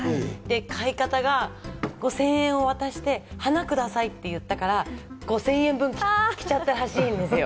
買い方が５０００円渡して花くださいって言ったから、５０００円分来ちゃったらしいんですよ。